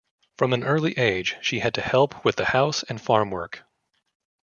From an early age, she had to help with the house and farm work.